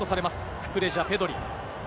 ククレジャ、ペドリ。